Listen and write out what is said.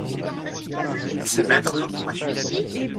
Ses maîtres l'octroyèrent.